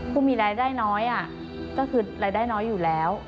ผู้มีรายได้น้อยก็คือรายได้น้อยอยู่แล้ว